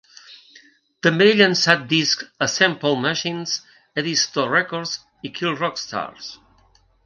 També ha llançat discs a Simple Machines, Edisto Records i Kill Rock Stars.